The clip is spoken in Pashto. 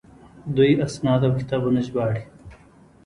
دوی اسناد او کتابونه ژباړي.